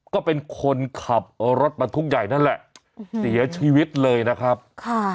ก็เป็นคนขับรถบรรทุกใหญ่นั่นแหละเสียชีวิตเลยนะครับค่ะ